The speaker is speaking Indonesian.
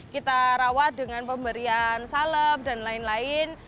kita rawat dengan pemberian salep dan lain lain